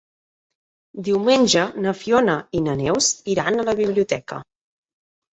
Diumenge na Fiona i na Neus iran a la biblioteca.